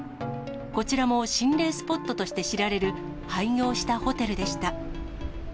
こちらも心霊スポットとして知られる、廃業したホテルでした。